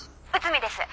「内海です」